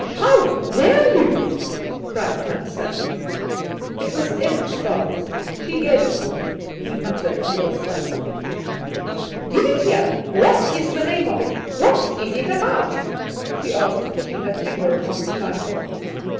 How dare you?" cried Tant Sannie. "It was Em's father's. She gave it me," he muttered more sullenly. "Give it here. What is the name of it? What is it about?" she asked, putting her finger upon the title.